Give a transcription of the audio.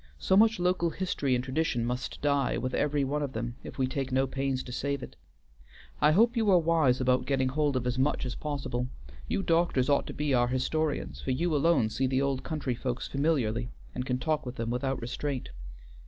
So much local history and tradition must die with every one of them if we take no pains to save it. I hope you are wise about getting hold of as much as possible. You doctors ought to be our historians, for you alone see the old country folks familiarly and can talk with them without restraint."